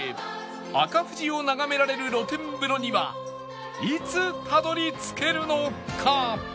赤富士を眺められる露天風呂にはいつたどり着けるのか？